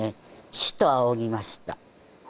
師と仰ぎました